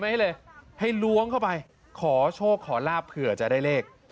ให้เลยให้ล้วงเข้าไปขอโชคขอลาบเผื่อจะได้เลข